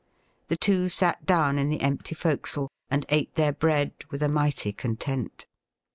The two sat down in the empty fore castle, and ate their bread with a mighty con tent.